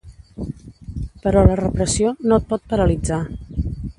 Però la repressió no et pot paralitzar.